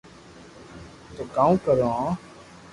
تو ڪاوُ ڪريو ھي